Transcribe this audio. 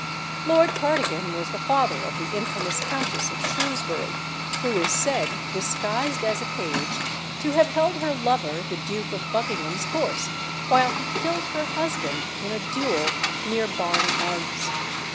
Lord Cardigan was the father of the infamous Countess of Shrewsbury, who is said, disguised as a page, to have held her lover the Duke of Buckingham's horse while he killed her husband in a duel near Barn Elms.